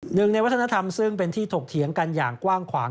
หนึ่งในวัฒนธรรมซึ่งเป็นที่ถกเถียงกันอย่างกว้างขวาง